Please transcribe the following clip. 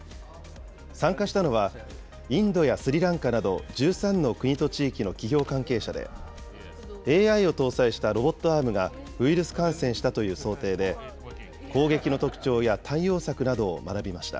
参加したのは、インドやスリランカなど、１３の国と地域の企業関係者で、ＡＩを搭載したロボットアームがウイルス感染したという想定で、攻撃の特徴や対応策などを学びました。